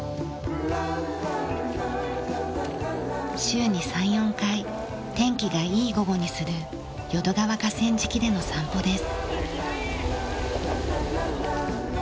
週に３４回天気がいい午後にする淀川河川敷での散歩です。